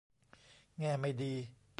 แง่ไม่ดี